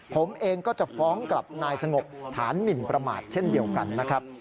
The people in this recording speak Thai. ผมเองก็จะฟ้องกลับนายสงบฐานหมินประมาทเช่นเดียวกันนะครับ